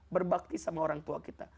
berbakti sama orang tua kita